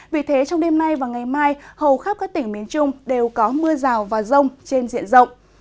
vì thế trong đêm nay và ngày mai hầu khắp các tỉnh miền trung đều có mưa rào và rông trên diện rộng